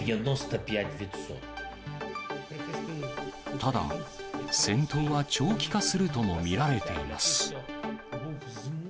ただ、戦闘は長期化するとも見られています。